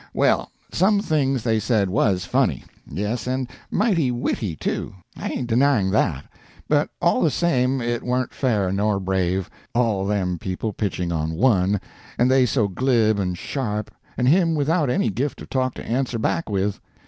Well, some things they said was funny,—yes, and mighty witty too, I ain't denying that,—but all the same it warn't fair nor brave, all them people pitching on one, and they so glib and sharp, and him without any gift of talk to answer back with.